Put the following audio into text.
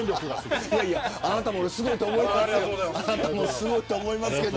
あなたもすごいと思いますよ。